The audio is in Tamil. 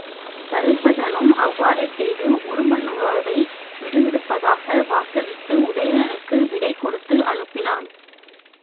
தருசகனும் அவ்வாறே செய்து உருமண்ணுவாவை விடுவிப்பதாக வாக்களித்து உதயணனுக்கு விடை கொடுத்து அனுப்பினான்.